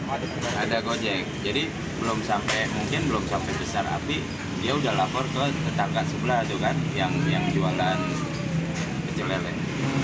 ada gojek jadi mungkin belum sampai besar api dia sudah laporkan ke tetangga sebelah yang jualan kecelelek